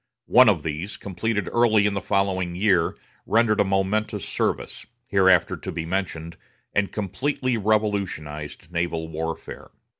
One of these, completed early in the following year, rendered a momentous service, hereafter to be mentioned, and completely revolutionized naval warfare.